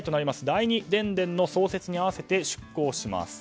第二電電の創設に合わせて出向します。